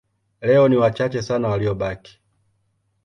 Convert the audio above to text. Leo ni wachache sana waliobaki.